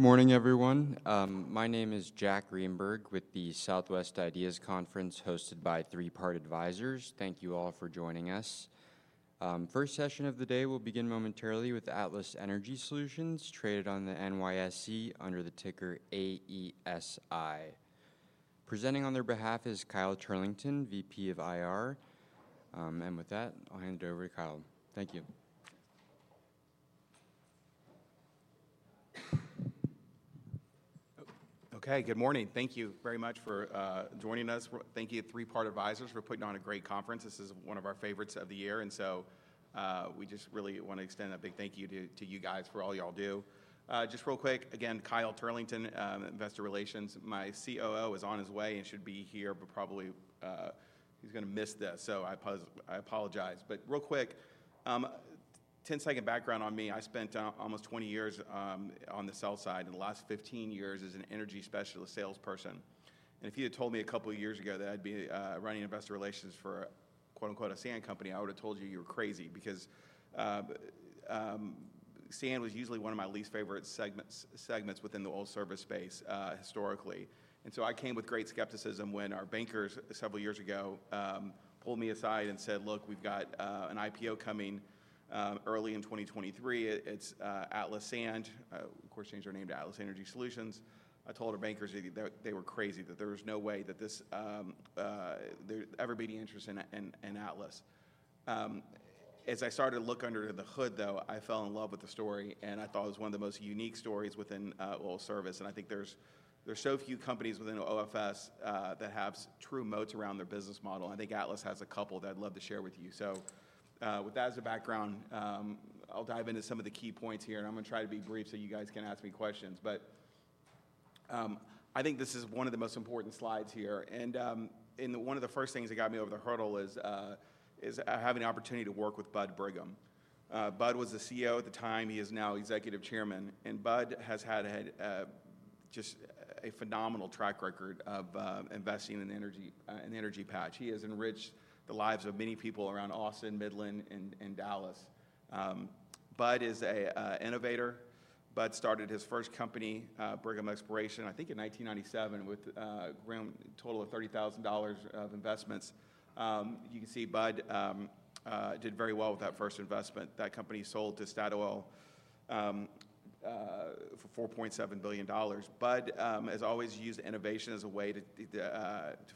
Good morning, everyone. My name is Jack Greenberg with the Southwest Ideas Conference hosted by Three Part Advisors. Thank you all for joining us. First session of the day will begin momentarily with Atlas Energy Solutions, traded on the NYSE under the ticker AESI. Presenting on their behalf is Kyle Turlington, VP of IR. And with that, I'll hand it over to Kyle. Thank you. Okay, good morning. Thank you very much for joining us. Thank you to Three Part Advisors for putting on a great conference. This is one of our favorites of the year, and so we just really want to extend a big thank you to you guys for all y'all do. Just real quick, again, Kyle Turlington, Investor Relations. My COO is on his way and should be here, but probably he's going to miss this, so I apologize, but real quick, 10-second background on me. I spent almost 20 years on the sell side and the last 15 years as an energy specialist salesperson, and if you had told me a couple of years ago that I'd be running investor relations for "a sand company," I would have told you you were crazy because sand was usually one of my least favorite segments within the oil service space historically. I came with great skepticism when our bankers several years ago pulled me aside and said, "Look, we've got an IPO coming early in 2023. It's Atlas Sand." Of course, they changed their name to Atlas Energy Solutions. I told our bankers they were crazy, that there was no way that there would ever be any interest in Atlas. As I started to look under the hood, though, I fell in love with the story. I thought it was one of the most unique stories within oil service. I think there's so few companies within OFS that have true moats around their business model. I think Atlas has a couple that I'd love to share with you. With that as a background, I'll dive into some of the key points here. I'm going to try to be brief so you guys can ask me questions. I think this is one of the most important slides here. One of the first things that got me over the hurdle is having the opportunity to work with Bud Brigham. Bud was the CEO at the time. He is now Executive Chairman. Bud has had just a phenomenal track record of investing in the energy patch. He has enriched the lives of many people around Austin, Midland, and Dallas. Bud is an innovator. Bud started his first company, Brigham Exploration, I think in 1997, with a total of $30,000 of investments. You can see Bud did very well with that first investment. That company sold to Statoil for $4.7 billion. Bud, as always, used innovation as a way to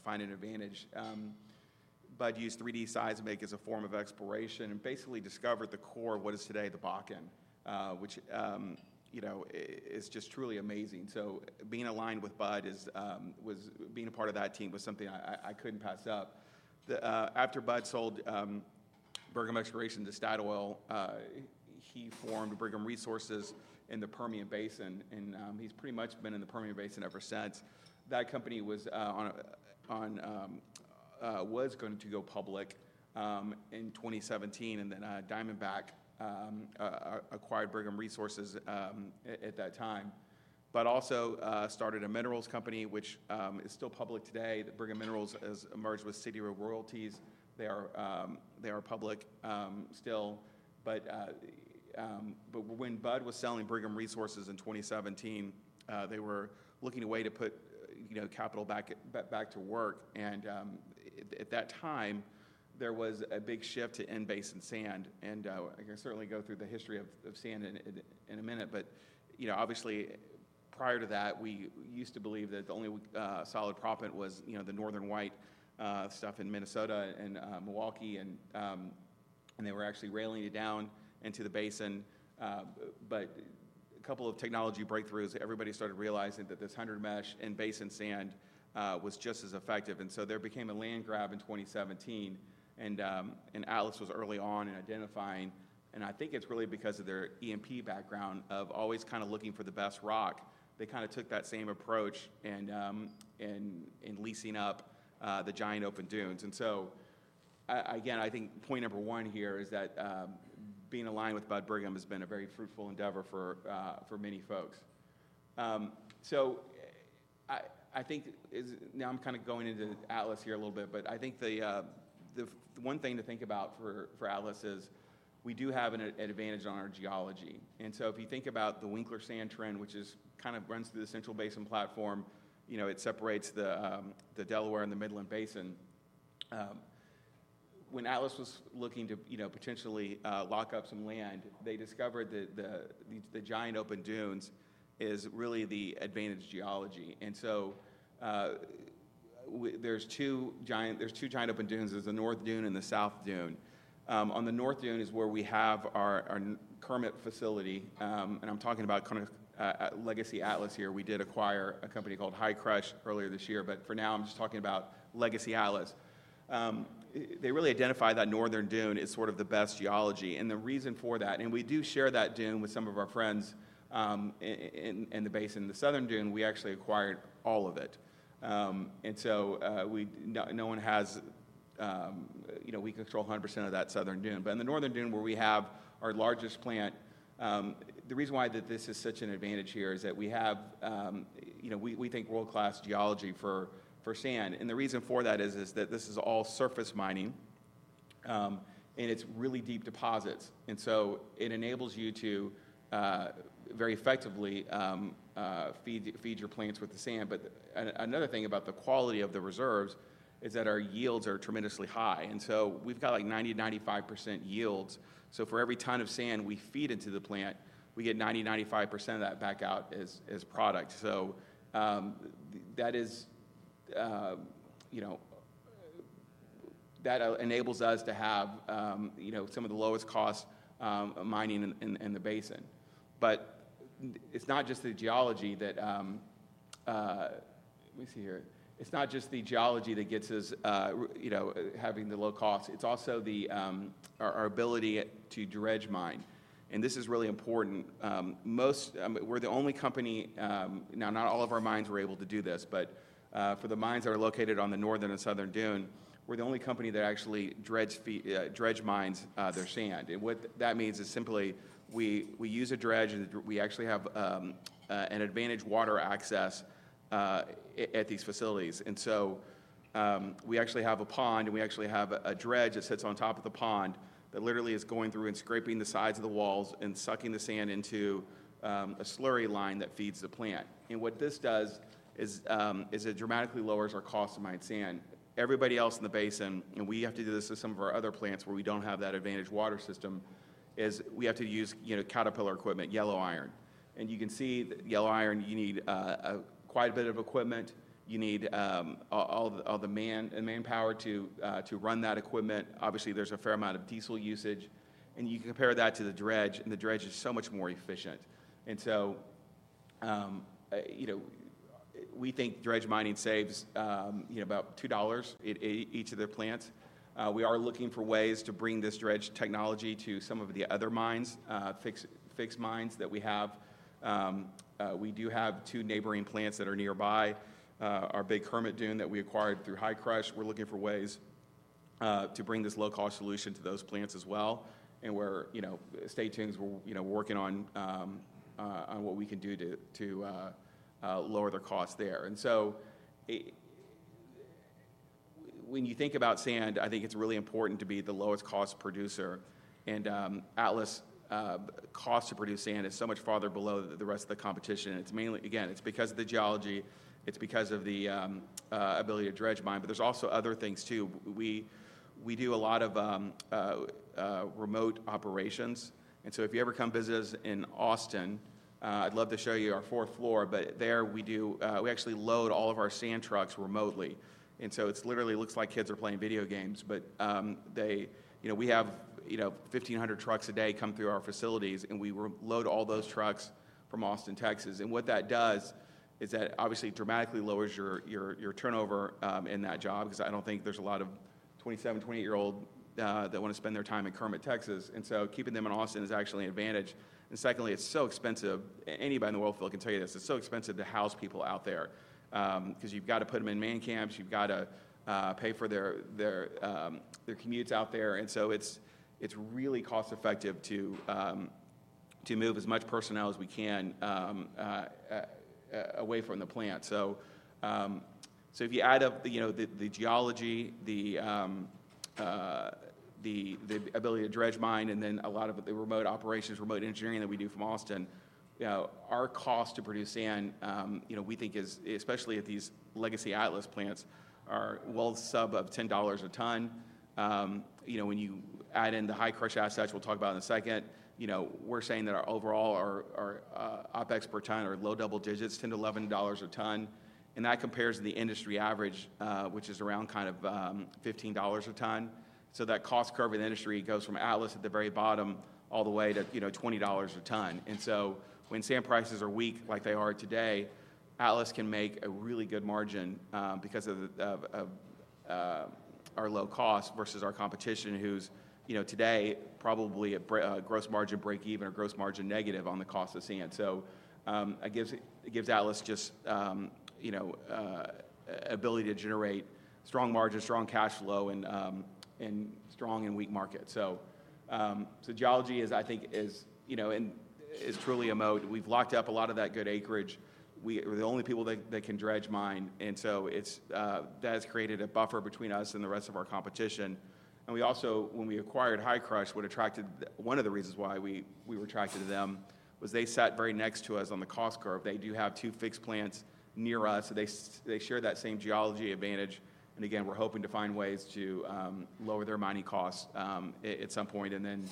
find an advantage. Bud used 3D seismic as a form of exploration and basically discovered the core of what is today the Bakken, which is just truly amazing, so being aligned with Bud, being a part of that team was something I couldn't pass up. After Bud sold Brigham Exploration to Statoil, he formed Brigham Resources in the Permian Basin, and he's pretty much been in the Permian Basin ever since. That company was going to go public in 2017, and then Diamondback acquired Brigham Resources at that time. Bud also started a minerals company, which is still public today. Brigham Minerals has merged with Sitio Royalties. They are public still, but when Bud was selling Brigham Resources in 2017, they were looking for a way to put capital back to work, and at that time, there was a big shift to in-basin sand. And I can certainly go through the history of sand in a minute. But obviously, prior to that, we used to believe that the only solid proppant was the Northern White stuff in Minnesota and Milwaukee. And they were actually railing it down into the basin. But a couple of technology breakthroughs, everybody started realizing that this 100 mesh in-basin sand was just as effective. And so there became a land grab in 2017. And Atlas was early on in identifying. And I think it's really because of their E&P background of always kind of looking for the best rock. They kind of took that same approach in leasing up the giant open dunes. And so again, I think point number one here is that being aligned with Bud Brigham has been a very fruitful endeavor for many folks. So I think now I'm kind of going into Atlas here a little bit. But I think the one thing to think about for Atlas is we do have an advantage on our geology. And so if you think about the Winkler Sand Trend, which kind of runs through the Central Basin Platform, it separates the Delaware and the Midland Basin. When Atlas was looking to potentially lock up some land, they discovered that the giant open dunes is really the advantage geology. And so there's two giant open dunes. There's a north dune and the south dune. On the north dune is where we have our Kermit facility. And I'm talking about kind of legacy Atlas here. We did acquire a company called Hi-Crush earlier this year. But for now, I'm just talking about legacy Atlas. They really identify that northern dune as sort of the best geology. The reason for that, and we do share that dune with some of our friends in the basin, the south dune, we actually acquired all of it. And so no one has. We control 100% of that south dune. But in the north dune, where we have our largest plant, the reason why this is such an advantage here is that we have, we think, world-class geology for sand. And the reason for that is that this is all surface mining. And it's really deep deposits. And so it enables you to very effectively feed your plants with the sand. But another thing about the quality of the reserves is that our yields are tremendously high. And so we've got like 90%-95% yields. So for every ton of sand we feed into the plant, we get 90%-95% of that back out as product. That enables us to have some of the lowest cost mining in the basin. It's not just the geology that gets us having the low cost. It's also our ability to dredge mine. This is really important. We're the only company now. Not all of our mines were able to do this. For the mines that are located on the northern and southern dune, we're the only company that actually dredge mines their sand. What that means is simply we use a dredge. We actually have an advantage water access at these facilities. We actually have a pond. We actually have a dredge that sits on top of the pond that literally is going through and scraping the sides of the walls and sucking the sand into a slurry line that feeds the plant. What this does is it dramatically lowers our cost of mined sand. Everybody else in the basin, and we have to do this with some of our other plants where we don't have that advantage water system, is we have to use Caterpillar equipment, yellow iron. You can see that yellow iron. You need quite a bit of equipment. You need all the manpower to run that equipment. Obviously, there's a fair amount of diesel usage. You can compare that to the dredge. The dredge is so much more efficient. We think dredge mining saves about $2 each of their plants. We are looking for ways to bring this dredge technology to some of the other mines, fixed mines that we have. We do have two neighboring plants that are nearby, our big Kermit dune that we acquired through Hi-Crush. We're looking for ways to bring this low-cost solution to those plants as well, and stay tuned. We're working on what we can do to lower their cost there, so when you think about sand, I think it's really important to be the lowest cost producer. Atlas' cost to produce sand is so much farther below the rest of the competition. Again, it's because of the geology. It's because of the ability to dredge mine. But there's also other things too. We do a lot of remote operations, so if you ever come visit us in Austin, I'd love to show you our fourth floor. But there, we actually load all of our sand trucks remotely. And so it literally looks like kids are playing video games. But we have 1,500 trucks a day come through our facilities. And we load all those trucks from Austin, Texas. And what that does is that obviously dramatically lowers your turnover in that job because I don't think there's a lot of 27, 28-year-olds that want to spend their time in Kermit, Texas. And so keeping them in Austin is actually an advantage. And secondly, it's so expensive. Anybody in the world can tell you this. It's so expensive to house people out there because you've got to put them in man camps. You've got to pay for their commutes out there. And so it's really cost-effective to move as much personnel as we can away from the plant. If you add up the geology, the ability to dredge mine, and then a lot of the remote operations, remote engineering that we do from Austin, our cost to produce sand, we think, especially at these legacy Atlas plants, are well sub-$10 a ton. When you add in the Hi-Crush assets, we'll talk about in a second, we're saying that overall our OpEx per ton are low double digits, $10-$11 a ton. That compares to the industry average, which is around kind of $15 a ton. That cost curve in the industry goes from Atlas at the very bottom all the way to $20 a ton. When sand prices are weak like they are today, Atlas can make a really good margin because of our low cost versus our competition, who's today probably at gross margin break-even or gross margin negative on the cost of sand. It gives Atlas just ability to generate strong margin, strong cash flow, and strong and weak markets. Geology, I think, is truly a moat. We've locked up a lot of that good acreage. We are the only people that can dredge mine. That has created a buffer between us and the rest of our competition. We also, when we acquired Hi-Crush, one of the reasons why we attracted to them was they sat very next to us on the cost curve. They do have two fixed plants near us. They share that same geology advantage. And again, we're hoping to find ways to lower their mining costs at some point and then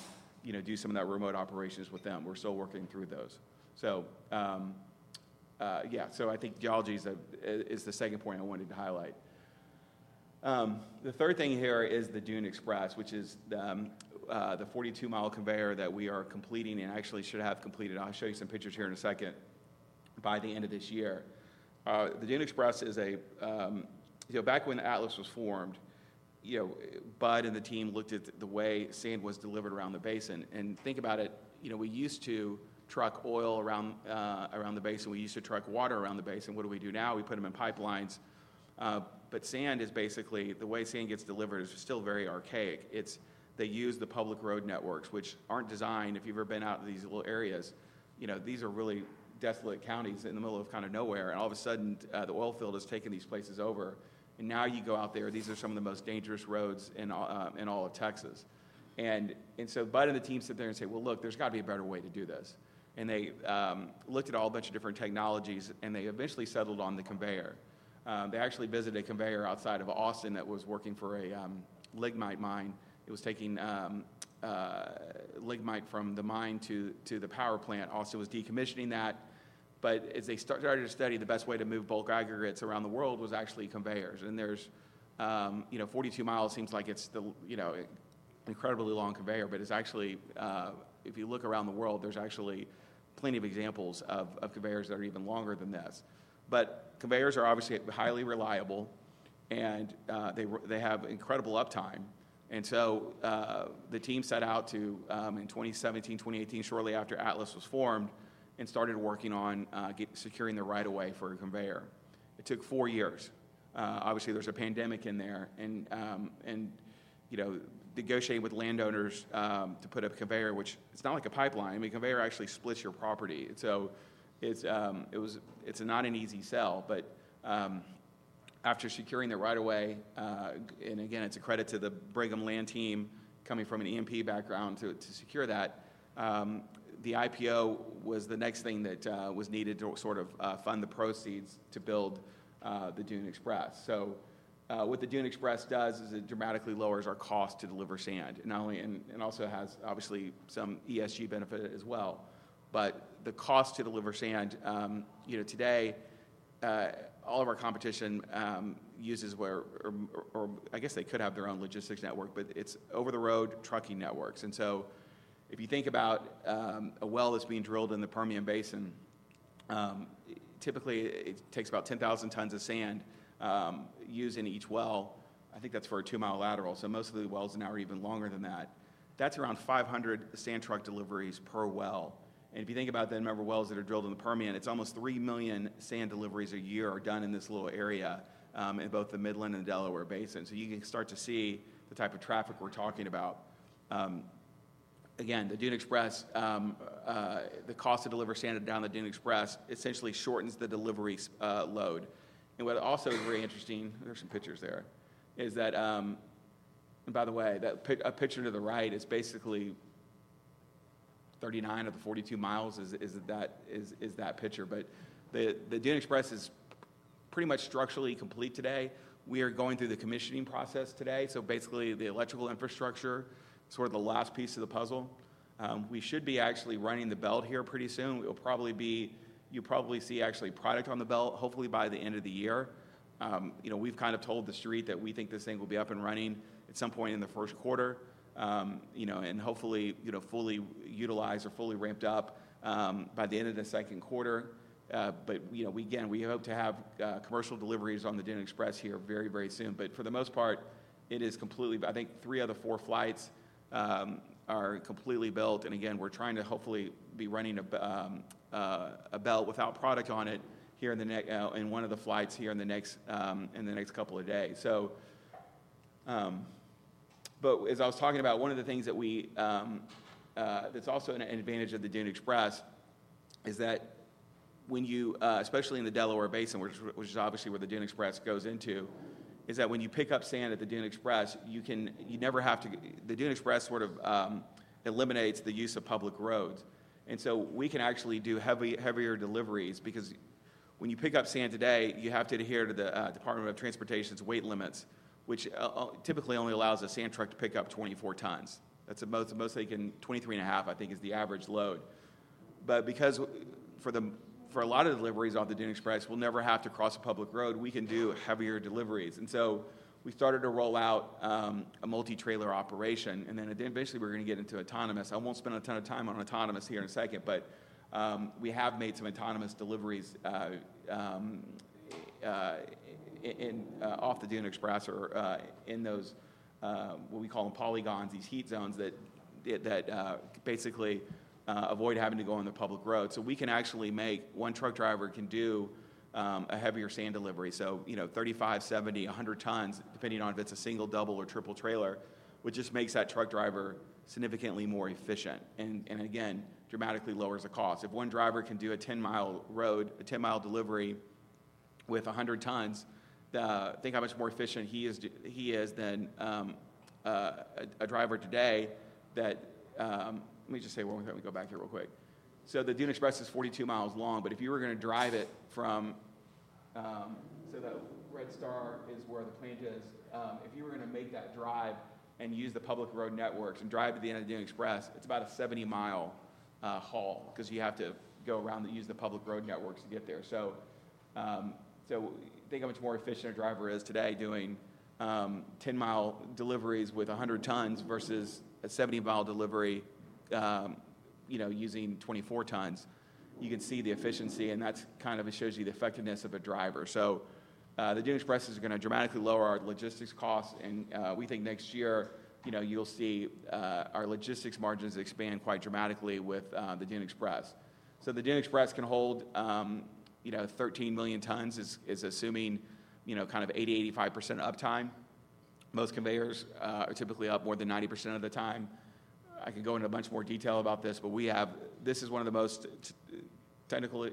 do some of that remote operations with them. We're still working through those. So yeah, so I think geology is the second point I wanted to highlight. The third thing here is the Dune Express, which is the 42 mi conveyor that we are completing and actually should have completed. I'll show you some pictures here in a second. By the end of this year, the Dune Express is. Back when Atlas was formed, Bud and the team looked at the way sand was delivered around the basin. And think about it. We used to truck oil around the basin. We used to truck water around the basin. What do we do now? We put them in pipelines. But sand is basically the way sand gets delivered is still very archaic. They use the public road networks, which aren't designed. If you've ever been out to these little areas, these are really desolate counties in the middle of kind of nowhere, and all of a sudden, the oil field has taken these places over, and now you go out there, these are some of the most dangerous roads in all of Texas, and so Bud and the team sit there and say, well, look, there's got to be a better way to do this, and they looked at a whole bunch of different technologies, and they eventually settled on the conveyor. They actually visited a conveyor outside of Austin that was working for a lignite mine. It was taking lignite from the mine to the power plant. Austin was decommissioning that, but as they started to study, the best way to move bulk aggregates around the world was actually conveyors. There's 42 mi. It seems like it's the incredibly long conveyor. But if you look around the world, there's actually plenty of examples of conveyors that are even longer than this. Conveyors are obviously highly reliable. They have incredible uptime. So the team set out in 2017, 2018, shortly after Atlas was formed, and started working on securing the right-of-way for a conveyor. It took four years. Obviously, there's a pandemic in there. Negotiating with landowners to put up a conveyor, which it's not like a pipeline. I mean, a conveyor actually splits your property. So it's not an easy sell. After securing the right-of-way, and again, it's a credit to the Brigham Land team coming from an E&P background to secure that, the IPO was the next thing that was needed to sort of fund the proceeds to build the Dune Express. What the Dune Express does is it dramatically lowers our cost to deliver sand. And it also has, obviously, some ESG benefit as well. But the cost to deliver sand, today, all of our competition uses where or I guess they could have their own logistics network. But it's over-the-road trucking networks. And so if you think about a well that's being drilled in the Permian Basin, typically, it takes about 10,000 tons of sand used in each well. I think that's for a 2 mi lateral. So most of the wells now are even longer than that. That's around 500 sand truck deliveries per well. And if you think about the number of wells that are drilled in the Permian, it's almost 3 million sand deliveries a year done in this little area in both the Midland and the Delaware Basin. So you can start to see the type of traffic we're talking about. Again, the Dune Express, the cost to deliver sand down the Dune Express essentially shortens the delivery load. And what also is very interesting, there's some pictures there, is that, and by the way, that picture to the right is basically 39 of the 42 mi is that picture. But the Dune Express is pretty much structurally complete today. We are going through the commissioning process today. So basically, the electrical infrastructure, sort of the last piece of the puzzle. We should be actually running the belt here pretty soon. You'll probably see actually product on the belt, hopefully, by the end of the year. We've kind of told the street that we think this thing will be up and running at some point in the first quarter and hopefully fully utilized or fully ramped up by the end of the second quarter, but again, we hope to have commercial deliveries on the Dune Express here very, very soon, but for the most part, it is completely, I think, three out of four flights are completely built, and again, we're trying to hopefully be running a belt without product on it here in one of the flights here in the next couple of days. As I was talking about, one of the things that's also an advantage of the Dune Express is that when you, especially in the Delaware Basin, which is obviously where the Dune Express goes into, is that when you pick up sand at the Dune Express, the Dune Express sort of eliminates the use of public roads. And so we can actually do heavier deliveries because when you pick up sand today, you have to adhere to the Department of Transportation's weight limits, which typically only allows a sand truck to pick up 24 tons. The most they can, 23 and a half, I think, is the average load. Because for a lot of deliveries on the Dune Express, we'll never have to cross a public road, we can do heavier deliveries. And so we started to roll out a multi-trailer operation. And then eventually, we're going to get into autonomous. I won't spend a ton of time on autonomous here in a second. But we have made some autonomous deliveries off the Dune Express or in those what we call them polygons, these heat zones that basically avoid having to go on the public road. So we can actually make one truck driver can do a heavier sand delivery. So 35, 70, 100 tons, depending on if it's a single, double, or triple trailer, which just makes that truck driver significantly more efficient. And again, dramatically lowers the cost. If one driver can do a 10 mi delivery with 100 tons, think how much more efficient he is than a driver today that let me just say one more thing. Let me go back here real quick. So the Dune Express is 42 mi long. But if you were going to drive it from so the red star is where the plant is. If you were going to make that drive and use the public road networks and drive to the end of the Dune Express, it's about a 70 mi haul because you have to go around to use the public road networks to get there. Think how much more efficient a driver is today doing 10 mi deliveries with 100 tons versus a 70 mi delivery using 24 tons. You can see the efficiency. And that kind of shows you the effectiveness of a driver. The Dune Express is going to dramatically lower our logistics costs. And we think next year, you'll see our logistics margins expand quite dramatically with the Dune Express. The Dune Express can hold 13 million tons, assuming kind of 80%-85% uptime. Most conveyors are typically up more than 90% of the time. I can go into a bunch more detail about this, but this is one of the most technically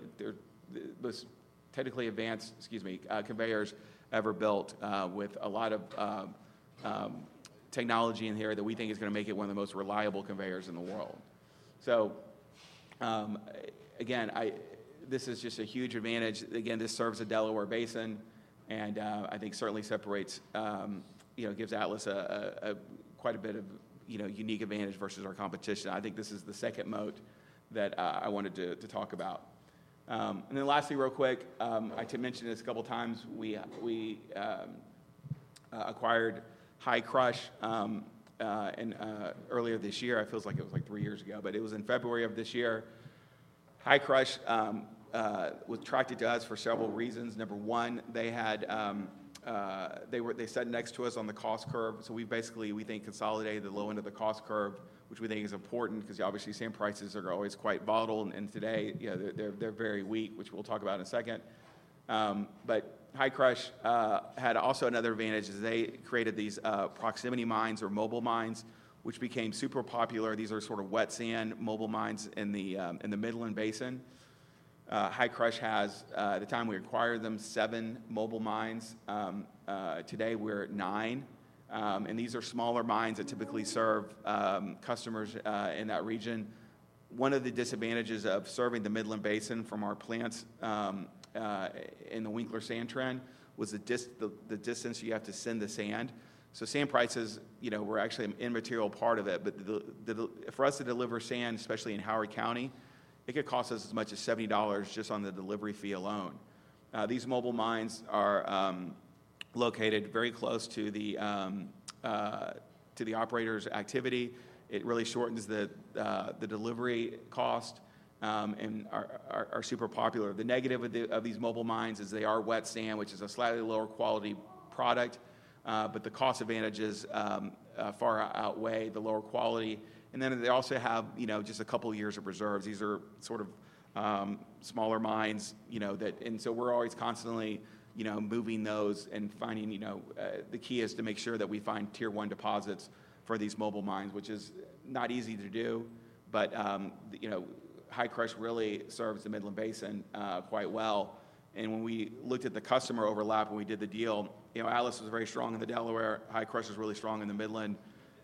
advanced, excuse me, conveyors ever built with a lot of technology in here that we think is going to make it one of the most reliable conveyors in the world. So again, this is just a huge advantage. Again, this serves the Delaware Basin and I think certainly gives Atlas quite a bit of unique advantage versus our competition. I think this is the second moat that I wanted to talk about, and then lastly, real quick, I mentioned this a couple of times. We acquired Hi-Crush earlier this year. It feels like it was like three years ago, but it was in February of this year. Hi-Crush was attracted to us for several reasons. Number one, they sat next to us on the cost curve. So we basically, we think, consolidated the low end of the cost curve, which we think is important because obviously, sand prices are always quite volatile. And today, they're very weak, which we'll talk about in a second. But Hi-Crush had also another advantage is they created these proximity mines or mobile mines, which became super popular. These are sort of wet sand mobile mines in the Midland Basin. Hi-Crush has, at the time we acquired them, seven mobile mines. Today, we're at nine. And these are smaller mines that typically serve customers in that region. One of the disadvantages of serving the Midland Basin from our plants in the Winkler Sand Trend was the distance you have to send the sand. So sand prices were actually an immaterial part of it. But for us to deliver sand, especially in Howard County, it could cost us as much as $70 just on the delivery fee alone. These mobile mines are located very close to the operator's activity. It really shortens the delivery cost and are super popular. The negative of these mobile mines is they are wet sand, which is a slightly lower quality product. But the cost advantages far outweigh the lower quality. And then they also have just a couple of years of reserves. These are sort of smaller mines. And so we're always constantly moving those and finding the key is to make sure that we find tier one deposits for these mobile mines, which is not easy to do. But Hi-Crush really serves the Midland Basin quite well. And when we looked at the customer overlap when we did the deal, Atlas was very strong in the Delaware. Hi-Crush was really strong in the Midland.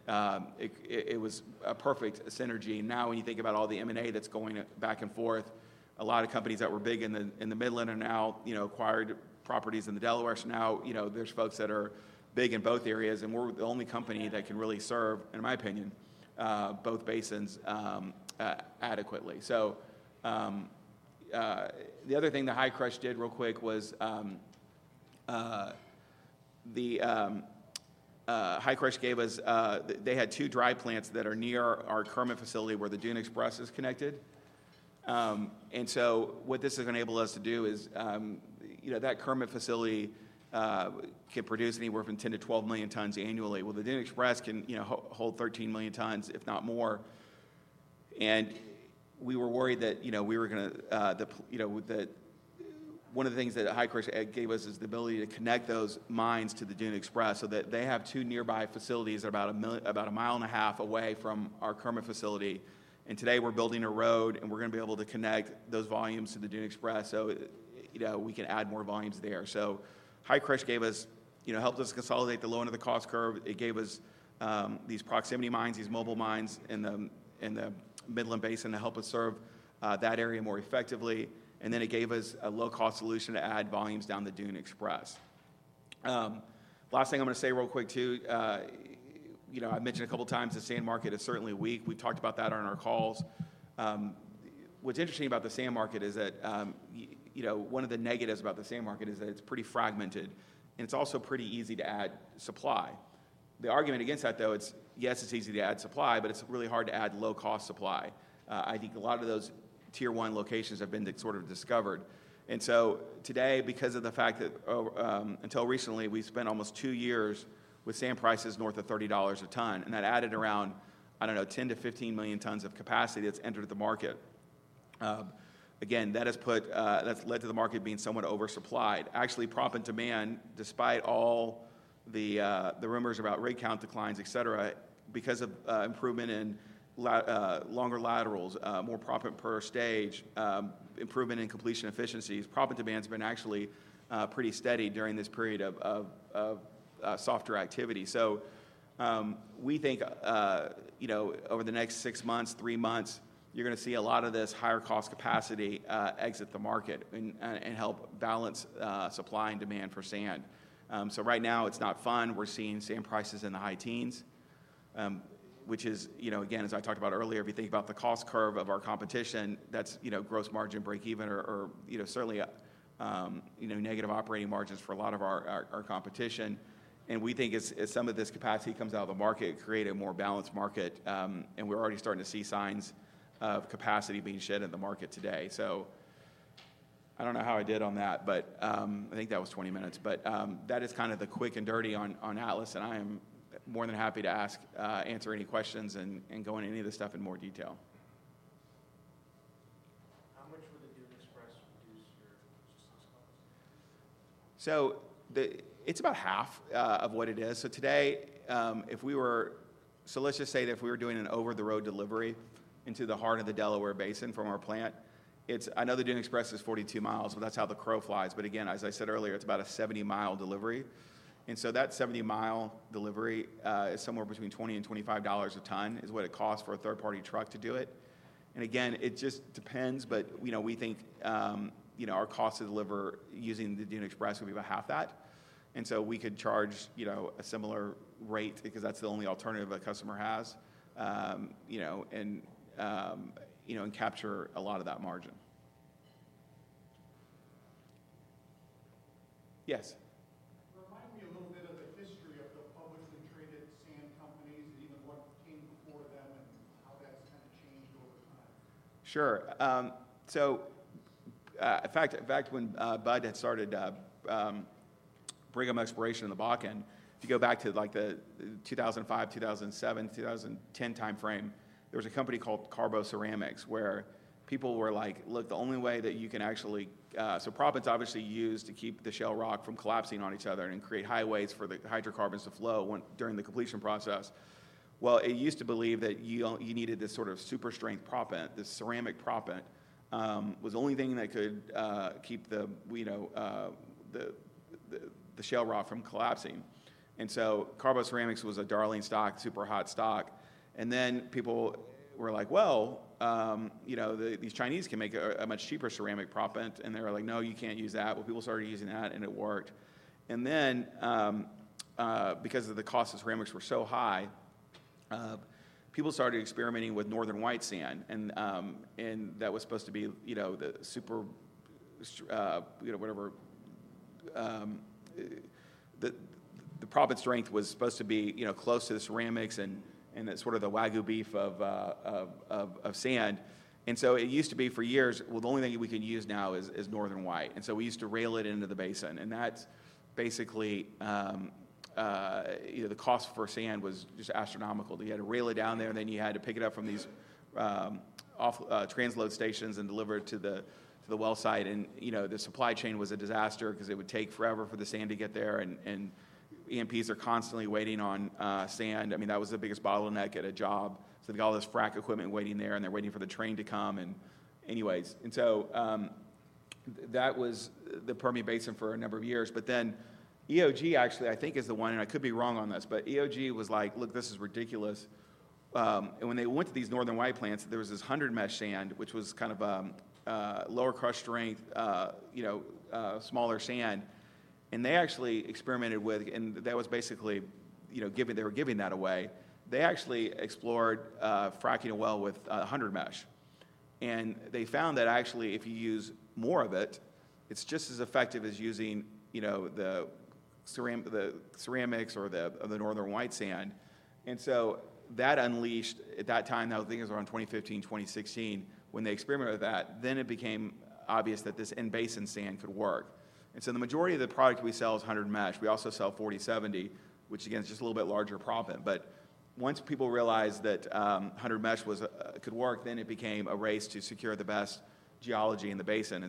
It was a perfect synergy. Now, when you think about all the M&A that's going back and forth, a lot of companies that were big in the Midland are now acquired properties in the Delaware. So now there's folks that are big in both areas. And we're the only company that can really serve, in my opinion, both basins adequately. So the other thing that Hi-Crush did real quick was Hi-Crush gave us they had two dry plants that are near our Kermit facility where the Dune Express is connected. And so what this has enabled us to do is that Kermit facility can produce anywhere from 10-12 million tons annually. The Dune Express can hold 13 million tons, if not more. We were worried that we were going to one of the things that Hi-Crush gave us is the ability to connect those mines to the Dune Express so that they have two nearby facilities that are about a mile and a half away from our Kermit facility. Today, we're building a road. We're going to be able to connect those volumes to the Dune Express so we can add more volumes there. Hi-Crush helped us consolidate the low end of the cost curve. It gave us these proximity mines, these mobile mines in the Midland Basin to help us serve that area more effectively. It gave us a low-cost solution to add volumes down the Dune Express. Last thing I'm going to say real quick, too. I mentioned a couple of times the sand market is certainly weak. We've talked about that on our calls. What's interesting about the sand market is that one of the negatives about the sand market is that it's pretty fragmented. And it's also pretty easy to add supply. The argument against that, though, it's yes, it's easy to add supply. But it's really hard to add low-cost supply. I think a lot of those tier one locations have been sort of discovered. And so today, because of the fact that until recently, we spent almost two years with sand prices north of $30 a ton. And that added around, I don't know, 10-15 million tons of capacity that's entered the market. Again, that has led to the market being somewhat oversupplied. Actually, proppant demand, despite all the rumors about rig count declines, etc., because of improvement in longer laterals, more proppant per stage, improvement in completion efficiencies, proppant demand has been actually pretty steady during this period of softer activity. So we think over the next six months, three months, you're going to see a lot of this higher-cost capacity exit the market and help balance supply and demand for sand. So right now, it's not fun. We're seeing sand prices in the high teens, which is, again, as I talked about earlier, if you think about the cost curve of our competition, that's gross margin breakeven or certainly negative operating margins for a lot of our competition. And we think as some of this capacity comes out of the market, it created a more balanced market. We're already starting to see signs of capacity being shed in the market today. I don't know how I did on that. I think that was 20 minutes. That is kind of the quick and dirty on Atlas. I am more than happy to answer any questions and go into any of this stuff in more detail. How much would the Dune Express reduce your logistics costs? It's about half of what it is. Today, if we were, let's just say that if we were doing an over-the-road delivery into the heart of the Delaware Basin from our plant. I know the Dune Express is 42 mi. That's how the crow flies. Again, as I said earlier, it's about a 70 mi delivery. And so that 70 mi delivery is somewhere between $20 and $25 a ton, which is what it costs for a third-party truck to do it. And again, it just depends. But we think our cost to deliver using the Dune Express would be about half that. And so we could charge a similar rate because that's the only alternative a customer has and capture a lot of that margin. Yes. Remind me a little bit of the history of the publicly traded sand companies and even what came before them and how that's kind of changed over time. Sure. In fact, when Bud had started Brigham Exploration in the Bakken, if you go back to the 2005, 2007, 2010 timeframe, there was a company called CARBO Ceramics where people were like, "Look, the only way that you can actually" so prop is obviously used to keep the shale rock from collapsing on each other and create highways for the hydrocarbons to flow during the completion process. Well, it used to believe that you needed this sort of super strength prop, this ceramic prop, which was the only thing that could keep the shale rock from collapsing. And so CARBO Ceramics was a darling stock, super hot stock. And then people were like, "Well, these Chinese can make a much cheaper ceramic prop." And they were like, "No, you can't use that." Well, people started using that. And it worked. And then, because of the cost of ceramics were so high, people started experimenting with Northern White sand. And that was supposed to be the super whatever the prop strength was supposed to be close to the ceramics and sort of the Wagyu beef of sand. And so it used to be for years, well, the only thing we can use now is Northern White. And so we used to rail it into the basin. And that's basically the cost for sand was just astronomical. You had to rail it down there. Then you had to pick it up from these transload stations and deliver it to the well site. And the supply chain was a disaster because it would take forever for the sand to get there. And E&Ps are constantly waiting on sand. I mean, that was the biggest bottleneck at a job. So they got all this frack equipment waiting there. And they're waiting for the train to come. And anyways, and so that was the Permian Basin for a number of years. But then EOG, actually, I think, is the one. And I could be wrong on this. But EOG was like, "Look, this is ridiculous." And when they went to these Northern White plants, there was this 100 mesh sand, which was kind of lower crush strength, smaller sand. And they actually experimented with, and that was basically they were giving that away. They actually explored fracking a well with 100 mesh. And they found that actually, if you use more of it, it's just as effective as using the ceramics or the Northern White sand. That unleashed at that time, I think it was around 2015, 2016, when they experimented with that. Then it became obvious that this in-basin sand could work. The majority of the product we sell is 100 mesh. We also sell 40/70, which again is just a little bit larger prop. Once people realized that 100 mesh could work, then it became a race to secure the best geology in the basin.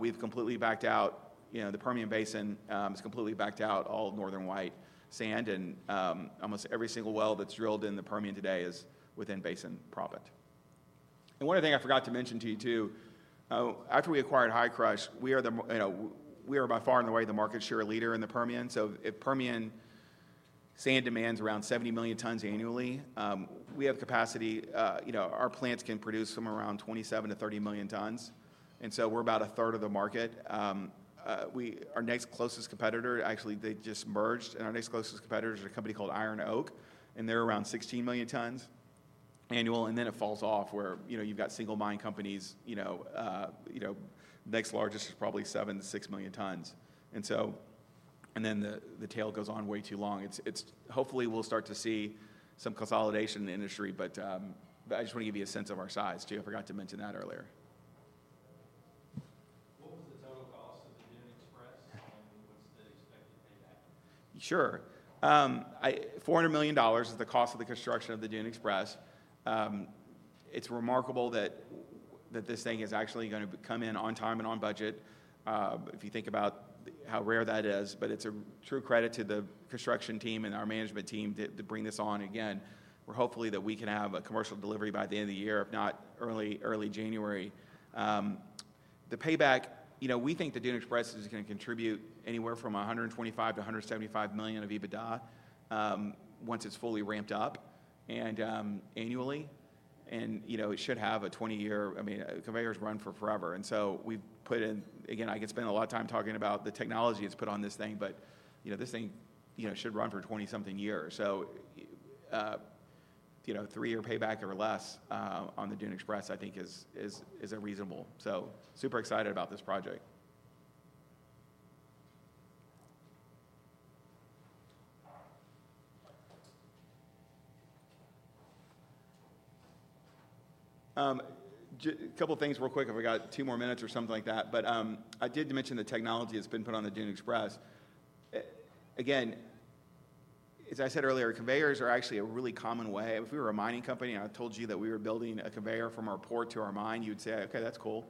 We've completely backed out. The Permian Basin is completely backed out all Northern White sand. Almost every single well that's drilled in the Permian today is in-basin prop. One of the things I forgot to mention to you, too, after we acquired Hi-Crush, we are by far and away the market share leader in the Permian. If Permian sand demands around 70 million tons annually, we have capacity. Our plants can produce from around 27-30 million tons. And so we're about 1/3 of the market. Our next closest competitor, actually, they just merged. And our next closest competitor is a company called Iron Oak. And they're around 16 million tons annual. And then it falls off where you've got single mine companies. The next largest is probably 7-6 million tons. And then the tail goes on way too long. Hopefully, we'll start to see some consolidation in the industry. But I just want to give you a sense of our size, too. I forgot to mention that earlier. What was the total cost of the Dune Express? And what's the expected payback? Sure. $400 million is the cost of the construction of the Dune Express. It's remarkable that this thing is actually going to come in on time and on budget if you think about how rare that is. But it's a true credit to the construction team and our management team to bring this on. Again, we're hopeful that we can have a commercial delivery by the end of the year, if not early January. The payback, we think the Dune Express is going to contribute anywhere from $125 million-$175 million of EBITDA once it's fully ramped up annually. And it should have a 20-year I mean, conveyors run for forever. And so we've put in again, I can spend a lot of time talking about the technology that's put on this thing. But this thing should run for 20-something years. So three-year payback or less on the Dune Express, I think, is reasonable. So super excited about this project. A couple of things real quick if we got two more minutes or something like that. But I did mention the technology that's been put on the Dune Express. Again, as I said earlier, conveyors are actually a really common way. If we were a mining company and I told you that we were building a conveyor from our port to our mine, you would say, "Okay, that's cool.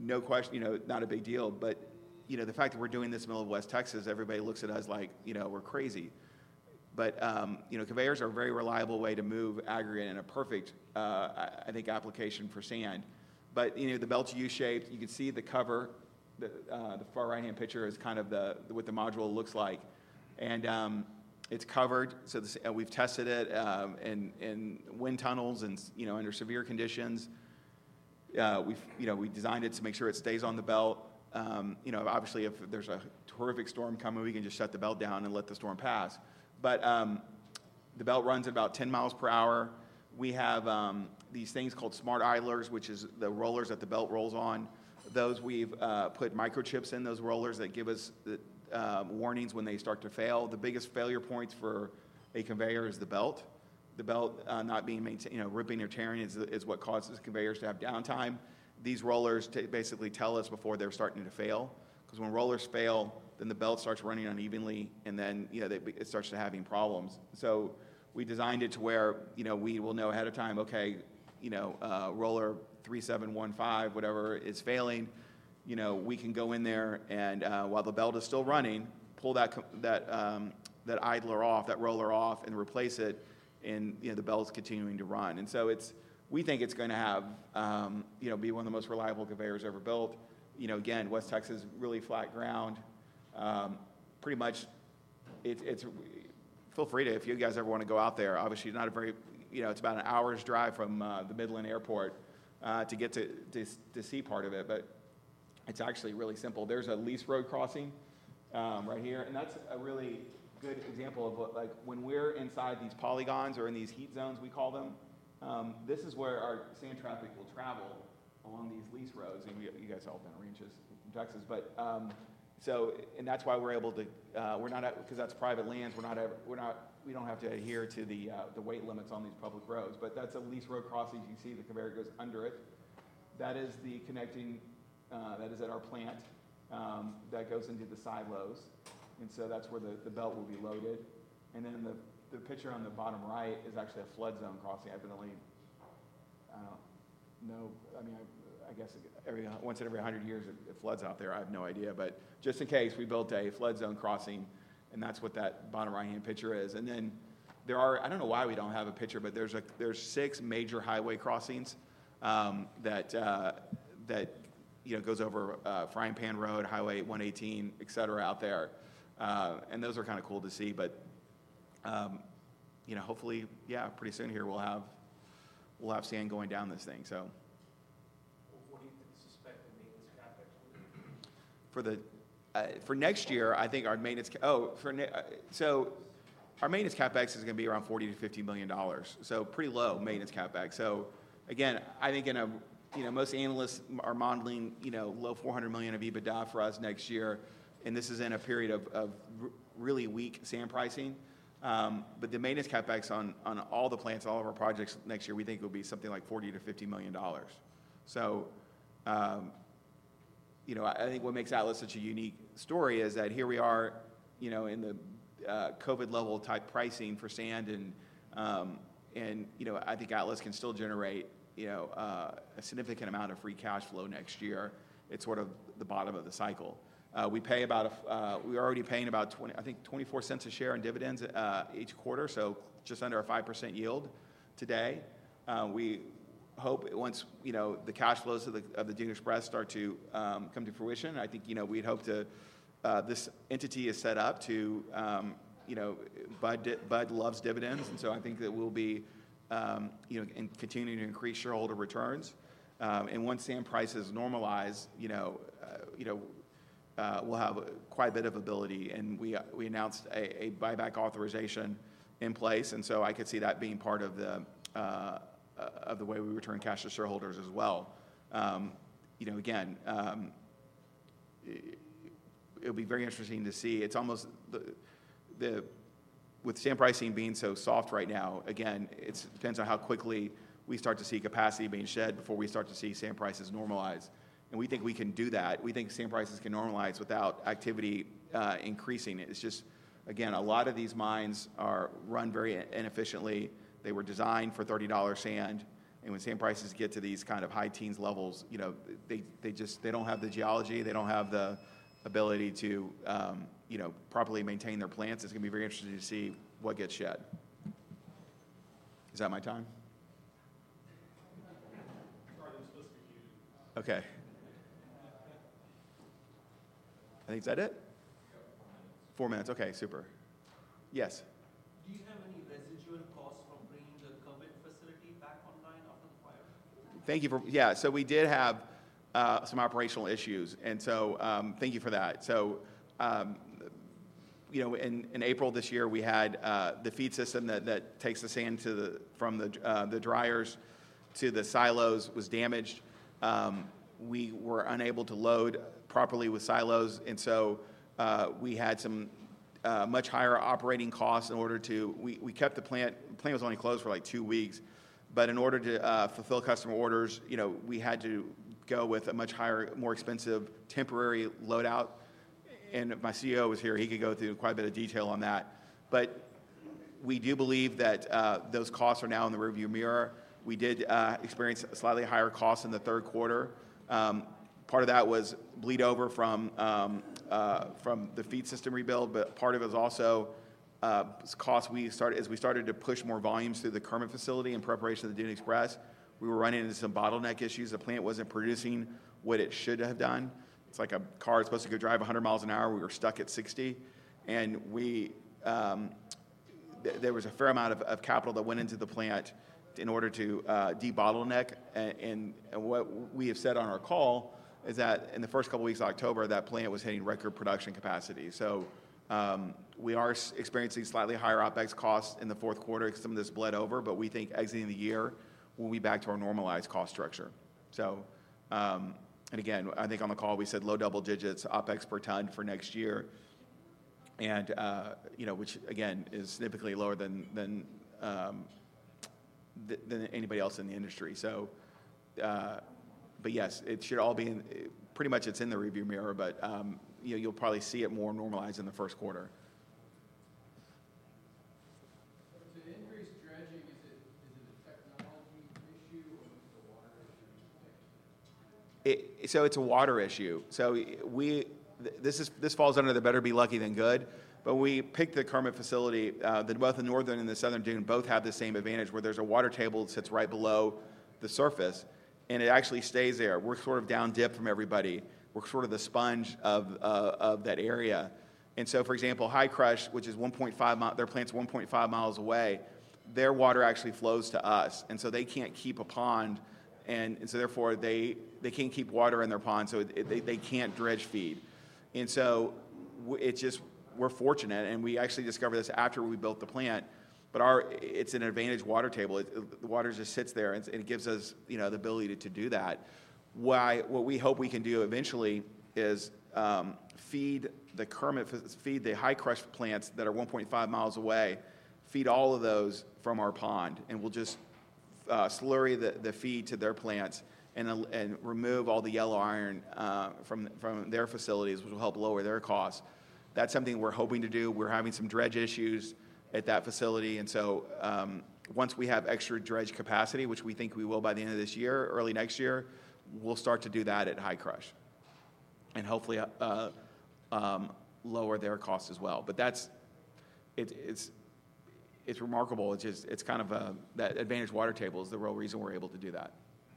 No question, not a big deal." But the fact that we're doing this in the middle of West Texas, everybody looks at us like we're crazy. But conveyors are a very reliable way to move aggregate in a perfect, I think, application for sand. But the belt's U-shaped. You can see the cover. The far right-hand picture is kind of what the module looks like. And it's covered. So we've tested it in wind tunnels and under severe conditions. We designed it to make sure it stays on the belt. Obviously, if there's a horrific storm coming, we can just shut the belt down and let the storm pass. But the belt runs at about 10 miles per hour. We have these things called smart idlers, which are the rollers that the belt rolls on. Those we've put microchips in those rollers that give us warnings when they start to fail. The biggest failure points for a conveyor is the belt. The belt not being maintained, ripping or tearing is what causes conveyors to have downtime. These rollers basically tell us before they're starting to fail. Because when rollers fail, then the belt starts running unevenly, and then it starts having problems. So we designed it to where we will know ahead of time, "Okay, roller 3715, whatever, is failing." We can go in there and while the belt is still running, pull that idler off, that roller off, and replace it. And the belt's continuing to run. And so we think it's going to be one of the most reliable conveyors ever built. Again, West Texas is really flat ground. Pretty much, feel free to if you guys ever want to go out there. Obviously, it's about an hour's drive from the Midland Airport to get to see part of it. But it's actually really simple. There's a lease road crossing right here. And that's a really good example of when we're inside these polygons or in these heat zones, we call them, this is where our sand traffic will travel along these lease roads. And you guys all have been to ranches in Texas. That's why we're able to because that's private lands. We don't have to adhere to the weight limits on these public roads. But that's a lease road crossing. You can see the conveyor goes under it. That is the connecting that is at our plant that goes into the silos. And so that's where the belt will be loaded. And then the picture on the bottom right is actually a flood zone crossing. I don't know. I mean, I guess once in every 100 years, it floods out there. I have no idea. But just in case, we built a flood zone crossing. And that's what that bottom right-hand picture is. And then there are. I don't know why we don't have a picture. But there's six major highway crossings that goes over Frying Pan Road, Highway 118, etc., out there. And those are kind of cool to see. But hopefully, yeah, pretty soon here, we'll have sand going down this thing, so. What do you suspect the maintenance CapEx will be? For next year, I think our maintenance CapEx is going to be around $40-$50 million. So pretty low maintenance CapEx. So again, I think most analysts are modeling low $400 million of EBITDA for us next year. And this is in a period of really weak sand pricing. But the maintenance CapEx on all the plants, all of our projects next year, we think will be something like $40-$50 million. So I think what makes Atlas such a unique story is that here we are in the COVID-level type pricing for sand. I think Atlas can still generate a significant amount of free cash flow next year. It's sort of the bottom of the cycle. We're already paying about, I think, $0.24 a share in dividends each quarter. So just under a 5% yield today. We hope once the cash flows of the Dune Express start to come to fruition. I think we'd hope to. This entity is set up to. Bud loves dividends. And so I think that we'll be continuing to increase shareholder returns. And once sand prices normalize, we'll have quite a bit of ability. And we announced a buyback authorization in place. And so I could see that being part of the way we return cash to shareholders as well. Again, it'll be very interesting to see. With sand pricing being so soft right now, again, it depends on how quickly we start to see capacity being shed before we start to see sand prices normalize. And we think we can do that. We think sand prices can normalize without activity increasing. It's just, again, a lot of these mines are run very inefficiently. They were designed for $30 sand. And when sand prices get to these kind of high teens levels, they don't have the geology. They don't have the ability to properly maintain their plants. It's going to be very interesting to see what gets shed. Is that my time? Okay. I think that's it. Four minutes. Okay, super. Yes. Do you have any residual costs from bringing the COVID facility back online after the fire? Thank you for yeah. So we did have some operational issues, and so thank you for that. So in April this year, we had the feed system that takes the sand from the dryers to the silos was damaged. We were unable to load properly with silos, and so we had some much higher operating costs. In order to, we kept the plant. The plant was only closed for like two weeks. But in order to fulfill customer orders, we had to go with a much higher, more expensive temporary loadout. And my CEO was here. He could go through quite a bit of detail on that. But we do believe that those costs are now in the rearview mirror. We did experience slightly higher costs in the third quarter. Part of that was bleed over from the feed system rebuild. But part of it was also costs as we started to push more volumes through the Kermit facility in preparation of the Dune Express. We were running into some bottleneck issues. The plant wasn't producing what it should have done. It's like a car is supposed to go drive 100 miles an hour. We were stuck at 60. And there was a fair amount of capital that went into the plant in order to debottleneck. And what we have said on our call is that in the first couple of weeks of October, that plant was hitting record production capacity. So we are experiencing slightly higher OpEx costs in the fourth quarter because some of this bled over. But we think exiting the year, we'll be back to our normalized cost structure. And again, I think on the call, we said low double digits OpEx per ton for next year, which again is typically lower than anybody else in the industry. But yes, it should all be pretty much it's in the rearview mirror. But you'll probably see it more normalized in the first quarter. So to increase dredging, [is it a technology issue or just a water issue?] So it's a water issue. So this falls under the better be lucky than good. But we picked the Kermit facility. Both the north dune and the south dune both have the same advantage where there's a water table that sits right below the surface. And it actually stays there. We're sort of down dipped from everybody. We're sort of the sponge of that area. And so, for example, Hi-Crush, which is 1.5 mi their plant's 1.5 mi away, their water actually flows to us. And so they can't keep a pond. And so therefore, they can't keep water in their pond. So they can't dredge feed. And so we're fortunate. And we actually discovered this after we built the plant. But it's an advantage water table. The water just sits there. And it gives us the ability to do that. What we hope we can do eventually is feed the Hi-Crush plants that are 1.5 mi away, feed all of those from our pond. And we'll just slurry the feed to their plants and remove all the yellow iron from their facilities, which will help lower their costs. That's something we're hoping to do. We're having some dredge issues at that facility. And so once we have extra dredge capacity, which we think we will by the end of this year, early next year, we'll start to do that at Hi-Crush and hopefully lower their costs as well. But it's remarkable. It's kind of that advantage water table is the real reason we're able to do that.